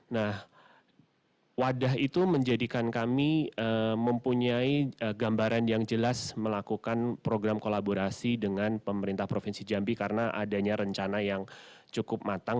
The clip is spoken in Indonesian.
nah wadah itu menjadikan kami mempunyai gambaran yang jelas melakukan program kolaborasi dengan pemerintah provinsi jambi karena adanya rencana yang cukup matang